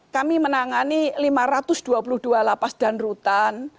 kami menangani lima ratus dua puluh dua lapas dan rutan